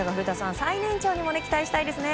最年長にも期待したいですね。